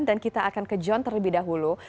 dan kita akan ke john terlebih dahulu